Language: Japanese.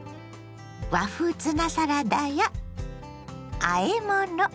和風ツナサラダやあえ物。